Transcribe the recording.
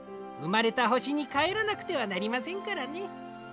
うまれた星にかえらなくてはなりませんからね。